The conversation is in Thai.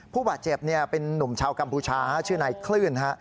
ผู้บาดเจ็บเป็นนุ่มชาวกัมพูชาชื่อนายคลื่นฮะ